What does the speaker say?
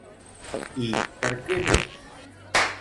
I per què més?